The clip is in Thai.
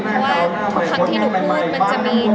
เพราะว่าทุกครั้งที่หนูพูดมันจะมีฝ่ายใดฝ่ายนุ่งที่เสียใจ